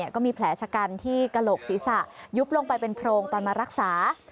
ก็มีแผลชะกันที่กระโหลกศีรษะยุบลงไปเป็นโพรงตอนมารักษา